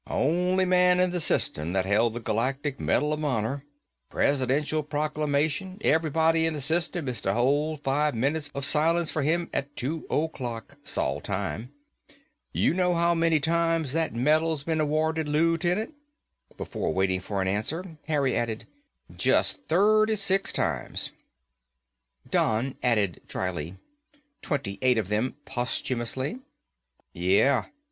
"Only man in the system that held the Galactic Medal of Honor. Presidential proclamation, everybody in the system is to hold five minutes of silence for him at two o'clock, Sol Time. You know how many times that medal's been awarded, Lootenant?" Before waiting for an answer, Harry added, "Just thirty six times." Don added dryly, "Twenty eight of them posthumously." "Yeah."